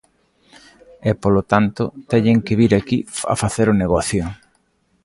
E, polo tanto, teñen que vir aquí a facer o negocio.